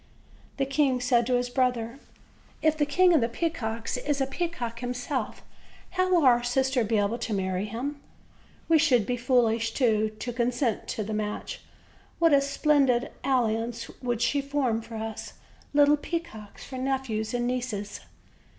The king said to his brother: "If the King of the Pea cocks is a peacock himself, how will our sister be able to marry him? We should be foolish, too, to consent to the 178 OLD, OLD FAIRY TALES. match. What a splendid alliance would she form for us: little peacocks for nephews and nieces!"